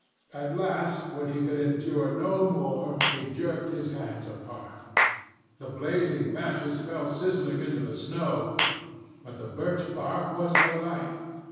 At last, when he could endure no more, he jerked his hands apart. The blazing matches fell sizzling into the snow, but the birch bark was alight.